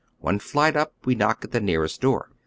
One flight up, we knock at the nearest door.